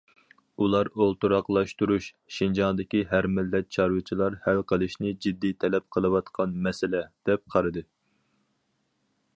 ئۇلار: ئولتۇراقلاشتۇرۇش شىنجاڭدىكى ھەر مىللەت چارۋىچىلار ھەل قىلىشنى جىددىي تەلەپ قىلىۋاتقان مەسىلە، دەپ قارىدى.